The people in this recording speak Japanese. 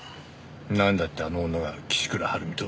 なんだってあの女が岸倉治美と？